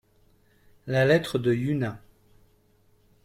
La lettre de Yuna.